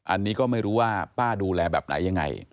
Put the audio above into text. อันนี้ก็ไม่รู้ว่าป้าดูแลแบบไหนยังไง